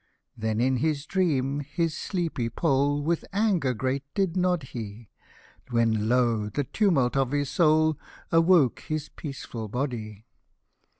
" Then in his dream his sleepy poll With anger great did nod he ; When lo ! the tumult of his soul Awoke his peaceful hody.